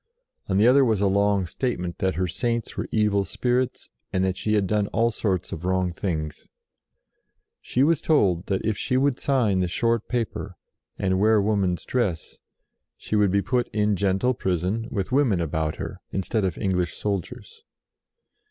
On the other was a long statement that her Saints were evil spirits, and that she had done all sorts of wrong things. She was told that if she would sign the short paper, and wear woman's dress, she would be put io8 JOAN OF ARC in gentle prison, with women about her instead of English soldiers.